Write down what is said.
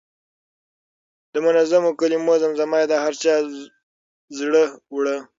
د منظومو کلمو زمزمه یې د هر چا زړه وړه.